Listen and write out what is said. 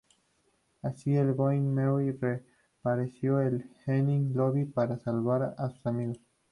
Así, el Going Merry reapareció en Enies Lobby, para salvar a sus amigos.